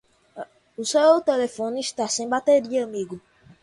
O seu telefone está sem bateria.